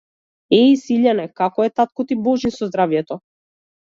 Е, Силјане, како е татко ти Божин со здравјето?